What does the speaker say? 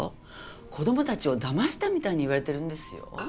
子供たちをだましたみたいに言われているんですよ。